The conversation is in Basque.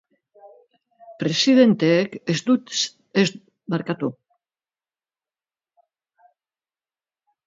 Presidenteek ez dute xehetasun gehiago eman.